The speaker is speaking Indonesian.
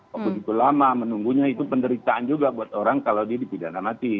waktu itu lama menunggunya itu penderitaan juga buat orang kalau dia dipidana mati